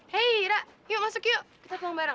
hei ira yuk masuk yuk kita pulang bareng